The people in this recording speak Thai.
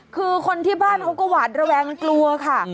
คือคนที่บ้านเขาก็หวาดระแวงกลัวค่ะ